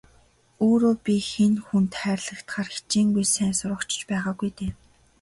Өөрөө би хэн хүнд хайрлагдахаар хичээнгүй сайн сурагч ч байгаагүй дээ.